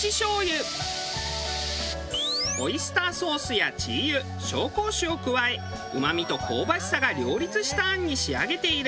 オイスターソースや鶏油紹興酒を加えうまみと香ばしさが両立した餡に仕上げている。